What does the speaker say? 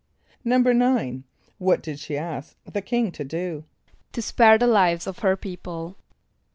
= =9.= What did she ask the king to do? =To spare the lives of her people.